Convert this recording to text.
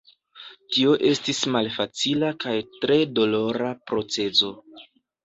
Tio estis malfacila kaj tre dolora procezo.